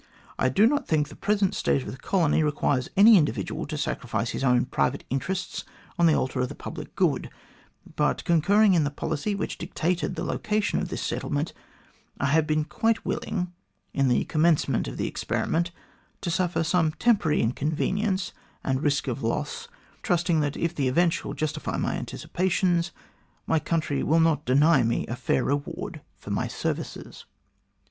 I do not think the present state of the colony requires any individual to sacrifice his own private interests on the altar of the public good ; but, concurring in the policy which dictated the location of this settlement, I have been quite willing, in the com mencement of the experiment, to suffer some temporary incon venience and risk of loss, trusting that if the event shall justify my anticipations, my country will not deny me a fair reward for my services."